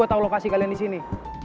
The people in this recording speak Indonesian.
makanya gue tau lokasi kalian di sini